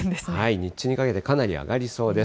日中にかけてかなり上がりそうです。